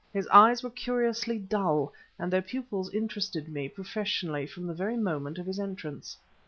His eyes were curiously dull, and their pupils interested me, professionally, from the very moment of his entrance.